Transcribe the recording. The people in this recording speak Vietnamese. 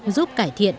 giúp cải thiện